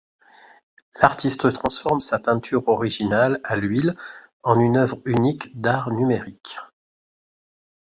L'artiste transforme sa peinture originale à l'huile en une œuvre unique d'art numérique.